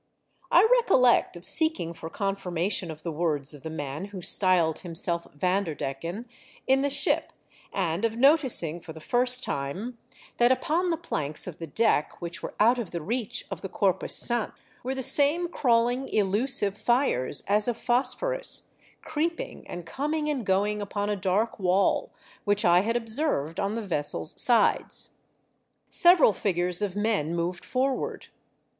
I recollect of seeking for confirnration of the words of the man who styled himself Vanderdecken, in the ship, and of noticing, for the first time, that upon the planks of the deck which were out of the reach of the co7'pus sant, were the same crawling, elusive fires, as of phosphorus, creeping and coming and going upon a dark wall, which I had observed on the vessel's sides. Several figures of men moved forward.